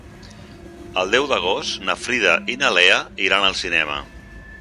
El deu d'agost na Frida i na Lea iran al cinema.